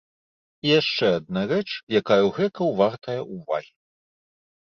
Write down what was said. І яшчэ адна рэч, якая ў грэкаў вартая ўвагі.